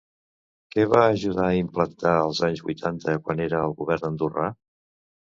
Què va ajudar a implantar als anys vuitanta quan era al govern andorrà?